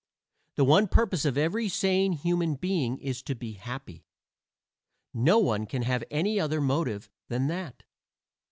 The one purpose of every sane human being is to be happy. No one can have any other motive than that.